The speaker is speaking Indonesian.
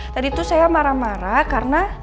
tadi itu saya marah marah karena